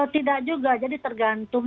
tidak juga jadi tergantung